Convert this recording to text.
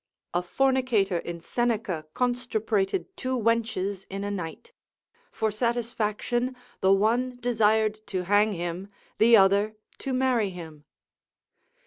A fornicator in Seneca constuprated two wenches in a night; for satisfaction, the one desired to hang him, the other to marry him.